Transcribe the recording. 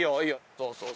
そうそう。